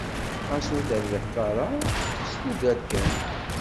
Xas ur terbiḥeḍ ara, sfugger kan.